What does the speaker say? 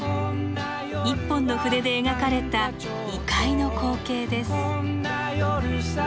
１本の筆で描かれた異界の光景です。